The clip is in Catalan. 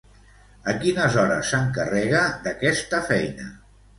A quines hores s'encarrega d'aquesta feina?